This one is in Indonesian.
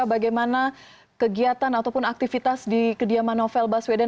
bagaimana kegiatan ataupun aktivitas di kediaman novel baswedan